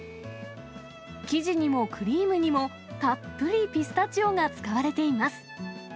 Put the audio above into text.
生地にもクリームにも、たっぷりピスタチオが使われています。